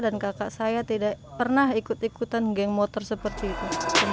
dan kakak saya tidak pernah ikut ikutan geng motor seperti itu